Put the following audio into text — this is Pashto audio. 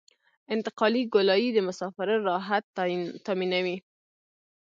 انتقالي ګولایي د مسافرو راحت تامینوي